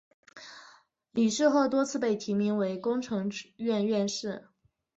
李世鹤多次被提名为工程院院士。